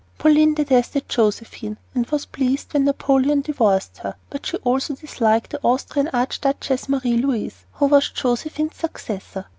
Pauline detested Josephine and was pleased when Napoleon divorced her; but she also disliked the Austrian archduchess, Marie Louise, who was Josephine's successor.